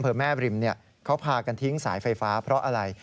อำเภอแม่บริมเขาพากันทิ้งสายไฟฟ้าเพราะอะไร